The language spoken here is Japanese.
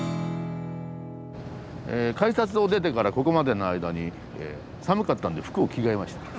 改札を出てからここまでの間に寒かったんで服を着替えました。